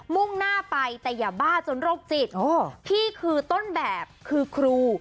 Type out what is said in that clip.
มุ่งหน้าไปแต่อย่าบ้าจนโรคจิตพี่คือต้นแบบคือครู